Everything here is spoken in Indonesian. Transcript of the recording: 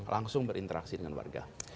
langsung berinteraksi dengan warga